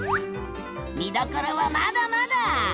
見どころはまだまだ！